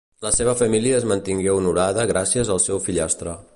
La seva família es mantingué honorada gràcies al seu fillastre.